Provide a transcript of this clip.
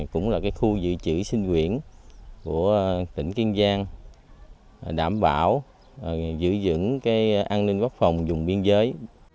cũng là khu dự trữ sinh quyển của tỉnh kiên giang đảm bảo giữ dững an ninh quốc phòng dùng biên giới